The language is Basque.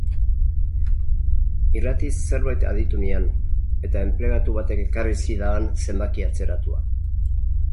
Irratiz zerbait aditu nian, eta enplegatu batek ekarri zidaan zenbaki atzeratua.